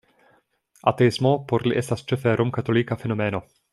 Ateismo por li estas ĉefe romkatolika fenomeno!